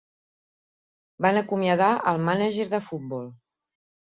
Van acomiadar al mànager de futbol.